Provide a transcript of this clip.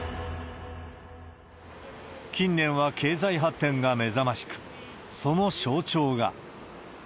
近年は経済発展が目覚ましく、その象徴が。